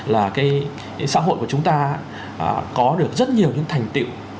là cái xã hội của chúng ta có được rất nhiều những thành tiệu